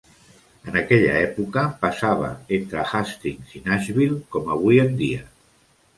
En aquella època, passava entre Hastings i Nashville com avui en dia.